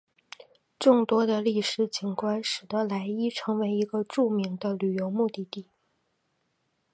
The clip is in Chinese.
众多的历史景观使得莱伊成为一个著名的旅游目的地。